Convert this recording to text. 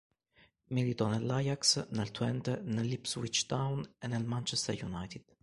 Militò nell'Ajax, nel Twente, nell'Ipswich Town e nel Manchester United.